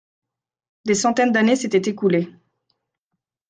Des centaines d’années s’étaient écoulées.